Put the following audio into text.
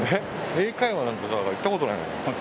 英会話なんてだから行ったことないもん。